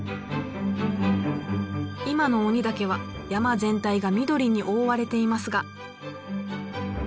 今の鬼岳は山全体が緑に覆われていますが。